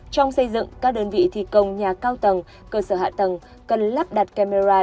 trong xây dựng các đơn vị thi công nhà cao tầng cơ sở hạ tầng cần lắp đặt camera